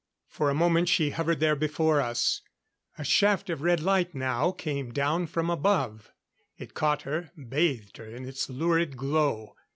For a moment she hovered there before us. A shaft of red light now came down from above. It caught her, bathed her in its lurid glow.